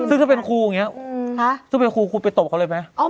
ซึ่งถ้าเป็นครูครูไปตบเขาเลยไหม